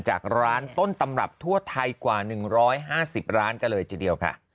จากร้านต้นตำรับทั่วไทยกว่า๑๕๐ร้านกันเลยทีเดียวค่ะ